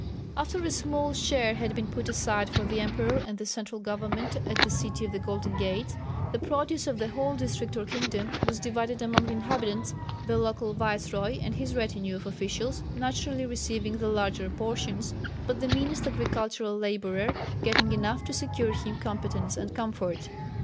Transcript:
After a small share had been put aside for the emperor and the central government at the "City of the Golden Gates," the produce of the whole district or kingdom was divided among the inhabitants the local viceroy and his retinue of officials naturally receiving the larger portions, but the meanest agricultural labourer getting enough to secure him competence and comfort.